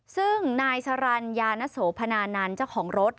ซึ่งนายสรรญานโสพนานันต์เจ้าของรถ